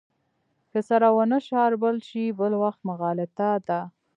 که سره ونه شاربل شي بل وخت مغالطه ده.